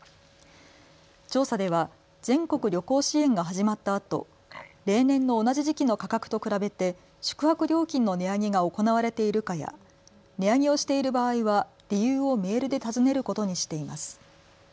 調査では全国旅行支援が始まったあと例年の同じ時期の価格と比べて宿泊料金の値上げが行われているかや値上げをしている場合は理由をメールで尋ねることにしています。